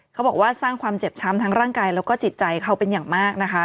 เขาบอกว่าสร้างความเจ็บช้ำทั้งร่างกายแล้วก็จิตใจเขาเป็นอย่างมากนะคะ